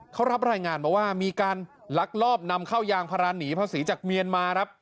เขารับรายงานมาว่ามีการลักลอบนำเข้ายางพาราหนีภาษีจากเมียนมาครับ